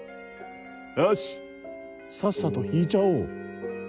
よしさっさと引いちゃおう。